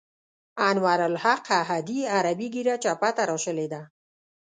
انوارالحق احدي عربي ږیره چپه تراشلې ده.